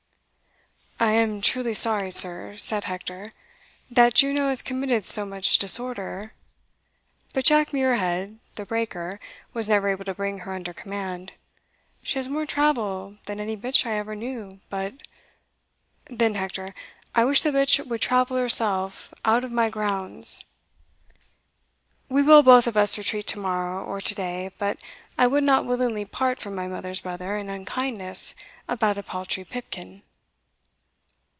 ) "I am truly sorry, sir," said Hector, "that Juno has committed so much disorder; but Jack Muirhead, the breaker, was never able to bring her under command. She has more travel than any bitch I ever knew, but" "Then, Hector, I wish the bitch would travel herself out of my grounds." "We will both of us retreat to morrow, or to day, but I would not willingly part from my mother's brother in unkindness about a paltry pipkin."